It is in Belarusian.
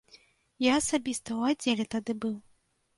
Я асабіста ў аддзеле тады быў.